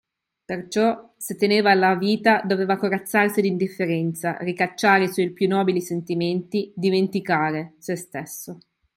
Perciò, se teneva alla vita, doveva corazzarsi d'indifferenza, ricacciare i suoi piú nobili sentimenti, dimenticare, se stesso.